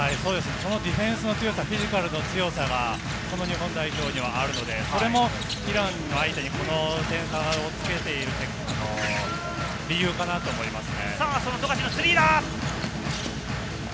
ディフェンスの強さ、フィジカルの強さが日本代表にはあるので、それもイラン相手にこの点差をつけている理由かなと思います。